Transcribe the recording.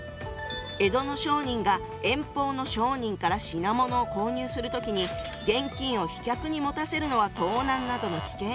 江戸の商人が遠方の商人から品物を購入する時に現金を飛脚に持たせるのは盗難などの危険があった。